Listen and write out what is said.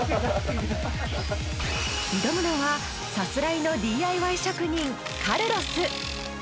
挑むのはさすらいのＤＩＹ職人カルロス。